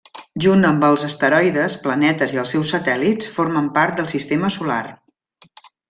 Junt amb els asteroides, planetes i els seus satèl·lits, formen part del Sistema Solar.